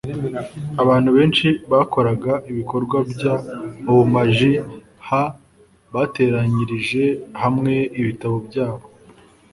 abantu benshi bakoraga ibikorwa by ubumaji h bateranyirije hamwe ibitabo byabo